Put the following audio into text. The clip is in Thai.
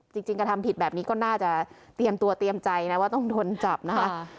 กระทำผิดแบบนี้ก็น่าจะเตรียมตัวเตรียมใจนะว่าต้องโดนจับนะคะ